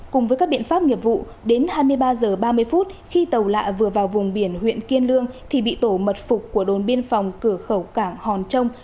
cùng với các biện pháp nghiệp vụ đến hai mươi ba h ba mươi phút khi tàu lạ vừa vào vùng biển huyện kiên lương thì bị tổ mật phục của đồn biên phòng cửa khẩu cảng hòn trông